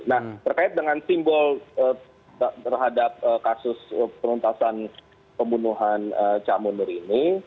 nah terkait dengan simbol terhadap kasus penuntasan pembunuhan cak mundur ini